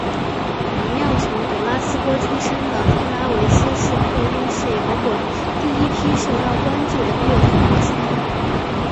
同样从格拉斯哥出身的特拉维斯是后英式摇滚第一批受到关注的乐团之一。